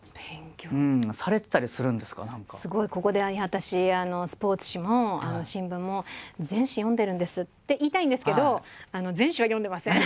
すごいここで「私スポーツ紙も新聞も全紙読んでるんです」って言いたいんですけど全紙は読んでません。